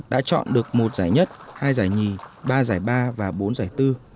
đã chọn được một giải nhất hai giải nhì ba giải ba và bốn giải tư